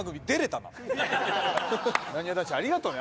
なにわ男子ありがとね